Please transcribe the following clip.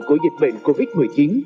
của dịch bệnh covid một mươi chín